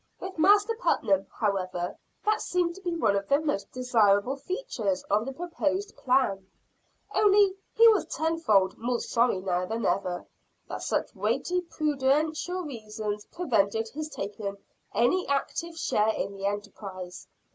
With Master Putnam, however, that seemed to be one of the most desirable features of the proposed plan, only he was tenfold more sorry now than ever, that such weighty prudential reasons prevented his taking any active share in the enterprise.